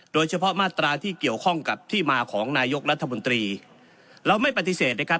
โดยเฉพาะมาตราที่เกี่ยวข้องกับที่มาของนายกรัฐมนตรีเราไม่ปฏิเสธนะครับ